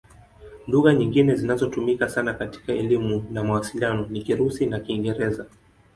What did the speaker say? Lugha nyingine zinazotumika sana katika elimu na mawasiliano ni Kirusi na Kiingereza.